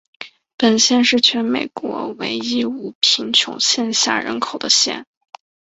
本县是全美国唯一并无贫穷线下人口的县。